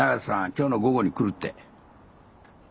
今日の午後に来るって。